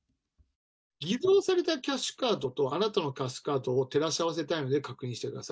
偽造されたキャッシュカードとあなたのキャッシュカードを照らし合わせたいので確認してください。